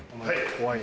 はい！